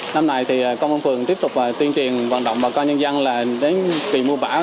năm nay thì công an phường tiếp tục tuyên truyền vận động bà con nhân dân là đến kỳ mùa bão